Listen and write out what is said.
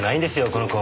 この子。